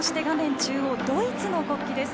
中央、ドイツの国旗です。